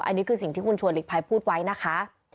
อันนี้คือสิ่งที่คุณชวนหลีกภัยพูดไว้นะคะ